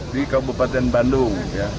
di kabupaten bandung